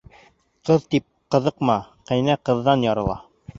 Ҡыҙ тип ҡыҙыҡма, ҡәйнә ҡыҙҙан ярала.